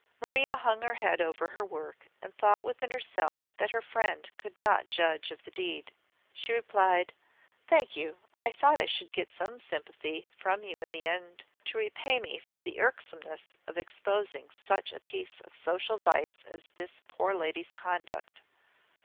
Maria hung her head over her work, and thought within herself that her friend could not judge of the deed. She replied "Thank you! I thought I should get some sympathy from you in the end, to repay me for the irksomeness of exposing such a piece of social vice as this poor lady's conduct."